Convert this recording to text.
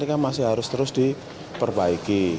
ini kan masih harus terus diperbaiki